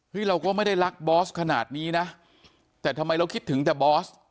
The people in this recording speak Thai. เราก็ไม่ได้รักบอสขนาดนี้นะแต่ทำไมเราคิดถึงแต่บอส